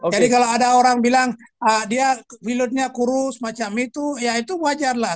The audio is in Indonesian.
jadi kalau ada orang bilang pilotnya kurus macam itu ya itu wajar lah